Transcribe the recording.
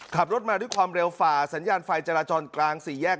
ขับรถมาด้วยความเร็วฝ่าสัญญาณไฟจราจรกลางสี่แยก